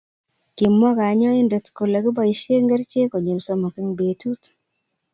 Kimwa kanyointet kole kiboisie keriche konyil somok eng betut.